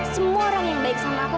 semua orang yang baik sama aku